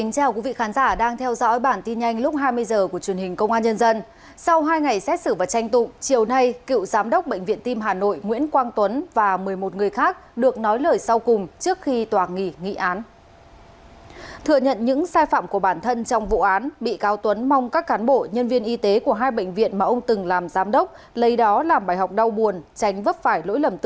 cảm ơn các bạn đã theo dõi